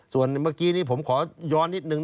ส่วนเมื่อกี้นี้ผมขอย้อนนิดนึง